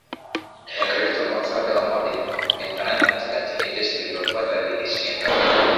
Wakristo kwa msaada wa Wabizanti lakini jeshi lililofuata lilishinda